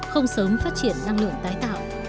không sớm phát triển năng lượng tái tạo